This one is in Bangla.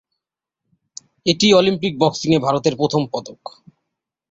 এটিই অলিম্পিক বক্সিং-এ ভারতের প্রথম পদক।